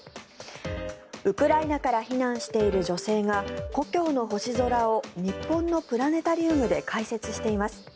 ウクライナから避難している女性が故郷の星空を日本のプラネタリウムで解説しています。